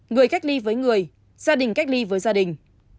người cách ly với người gia đình cách ly với gia đình